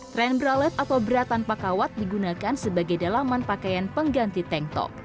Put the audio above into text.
tren bralette atau bra tanpa kawat digunakan sebagai dalaman pakaian pengganti tank top